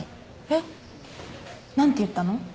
えっ何て言ったの？